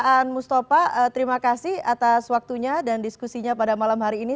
pak an mustafa terima kasih atas waktunya dan diskusinya pada malam hari ini